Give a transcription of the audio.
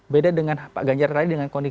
beda dengan pak ganjar lain dengan